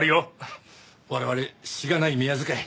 我々しがない宮仕え。